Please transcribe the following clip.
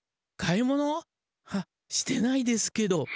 買い物？はしてないですけど。